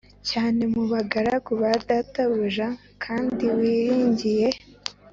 cyane mu bagaragu ba databuja Kandi wiringiye